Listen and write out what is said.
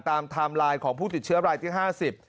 ตามไทม์ไลน์ของผู้ติดเชื้อรายที่๕๐